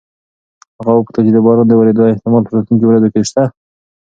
هغه وپوښتل چې د باران د ورېدو احتمال په راتلونکو ورځو کې شته؟